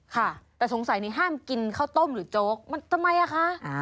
ค่ะแต่สงสัยนี่ห้ามกินข้าวต้มหรือโจ๊กมันทำไมอ่ะคะ